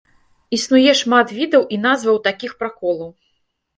Існуе шмат відаў і назваў такіх праколаў.